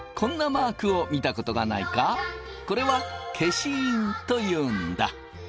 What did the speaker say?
これは消印というんだ。